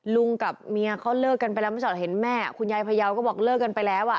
ลุงกับเมียเขาเลิกกันไปแล้วเมื่อจอดเห็นแม่คุณยายพยาวก็บอกเลิกกันไปแล้วอ่ะ